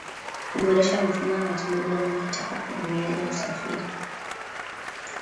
Kuboresha mifumo ya matibabu ya maji taka kwenye meli za kusafiri